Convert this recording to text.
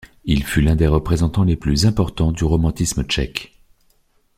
Il fut l'un des représentants les plus importants du romantisme tchèque.